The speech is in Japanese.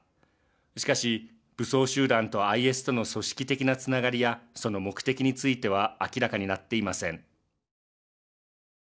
しかし、武装集団とＩＳとの組織的なつながりやその目的については明らかになっていません。